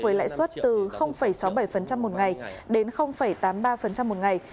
với lãi suất từ sáu mươi bảy một ngày đến tám mươi ba một ngày